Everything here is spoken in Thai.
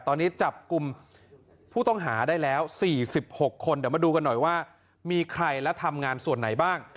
ตอนนี้จับกลุ่มผู้ต้องหาได้แล้ว๔๖คนเดี๋ยวมาดูกันหน่อยว่ามีใครและทำงานส่วนไหนบ้าง